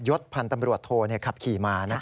ศพันธ์ตำรวจโทขับขี่มา